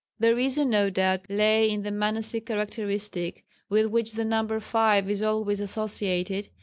The reason, no doubt, lay in the Mânasic characteristic with which the number five is always associated.